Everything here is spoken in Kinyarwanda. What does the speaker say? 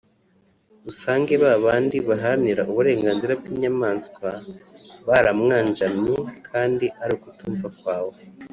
usange ba bandi baharanira uburenganzira bw’inyamaswa baramwanjamye kandi ari ukutumva kwawe